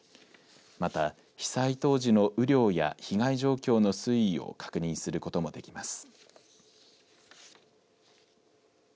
また、被災当時の雨量や被害状況の推移を確認することもできます。